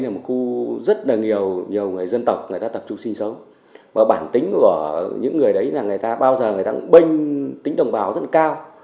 nếu như tổ công tác trung tâm là một khu rất nhiều người dân tộc tập trung sinh sống và bản tính của những người đấy là bao giờ người ta cũng bênh tính đồng bào rất cao